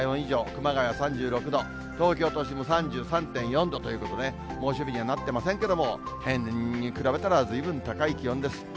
熊谷３６度、東京都心も３３．４度ということで、猛暑日にはなってませんけれども、平年に比べたらずいぶん高い気温です。